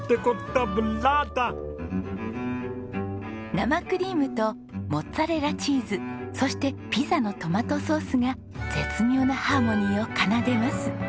生クリームとモッツァレラチーズそしてピザのトマトソースが絶妙なハーモニーを奏でます。